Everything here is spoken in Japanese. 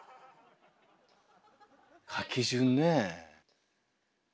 書き順ねぇ。